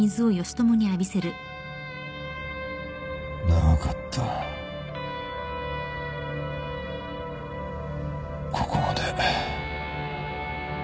長かったここまで。